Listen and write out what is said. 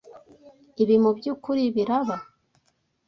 Ibi mubyukuri biraba?